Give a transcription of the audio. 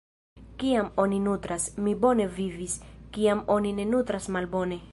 Kiam oni nutras, mi bone vivis, kiam oni ne nutras - malbone.